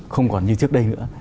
không còn như trước đây nữa